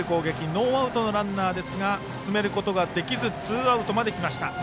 ノーアウトのランナーですが進めることができずツーアウトまで来ました。